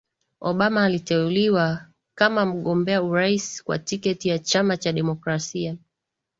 Obama aliteuliwa kama mgombea urais kwa tiketi ya chama cha Demokrasia